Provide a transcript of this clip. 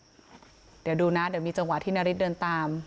เดี๋ยวดูนะเดี๋ยวมีจังหวะที่นาริสเดินตาม